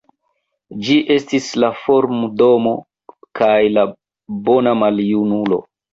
Ĝi estis la farmdomo kaj la bona maljunulo.